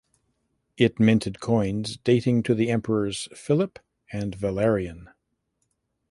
It minted coins dating to the emperors Philip and Valerian.